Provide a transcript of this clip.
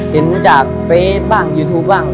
เห็นจากเฟสบ้างยูทูปบ้าง